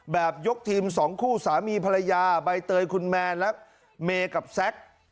ยกทีมสองคู่สามีภรรยาใบเตยคุณแมนและเมย์กับแซค